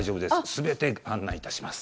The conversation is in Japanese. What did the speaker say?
全て案内いたします。